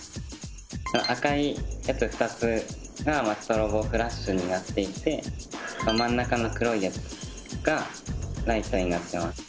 赤いやつ２つがストロボフラッシュになっていて真ん中の黒いやつがライトになってます。